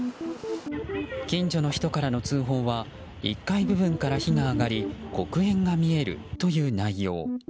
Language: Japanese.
近所の人からの通報は１階部分から火が上がり黒煙が見えるという内容。